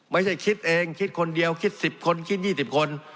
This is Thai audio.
ไม่ใช่คิดเองคิดคนเดียวคิดสิบคนคิดยี่สิบคน